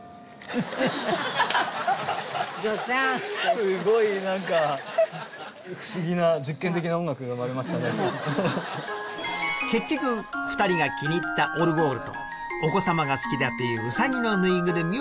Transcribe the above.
すごいなんか不思議な結局２人が気に入ったオルゴールとお子様が好きだというウサギのぬいぐるみをプレゼント。